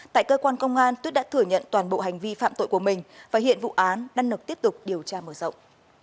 tại cơ quan công an tuyết đã thử nhận toàn bộ hành vi phạm tội của mình và hiện vụ án đăng lực tiếp tục điều tra mở rộng